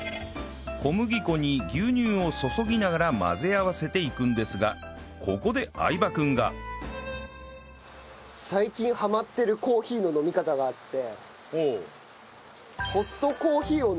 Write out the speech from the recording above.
小麦粉に牛乳を注ぎながら混ぜ合わせていくんですがここで相葉くんが最近ハマってるコーヒーの飲み方があって。